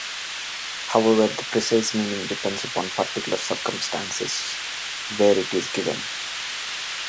However, the precise meaning depends upon the particular circumstances where it is given.